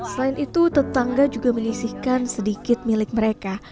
selain itu tetangga juga menyisihkan sedikit milik mereka